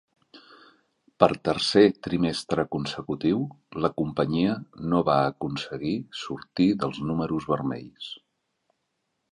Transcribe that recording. Per tercer trimestre consecutiu, la companyia no va aconseguir sortir dels números vermells.